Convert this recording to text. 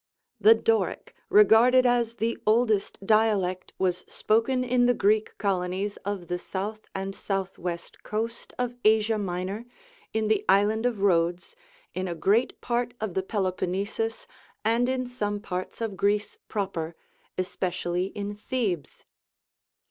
The Doric^ regarded as the oldest dialect, was spoken in the Greek colonies of the south and south west coast of Asia Minor, in the Island of Rhodes, in a great part of the Peloponnesus, and in some parts of Greece Proper, especially in Thebes.